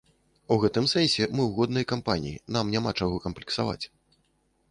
У гэтым сэнсе мы ў годнай кампаніі, нам няма чаго камплексаваць.